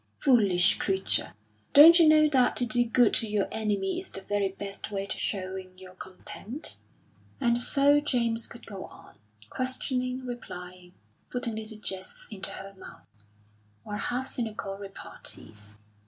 "Foolish creature! Don't you know that to do good to your enemy is the very best way of showing your contempt." And so James could go on, questioning, replying, putting little jests into her mouth, or half cynical repartees.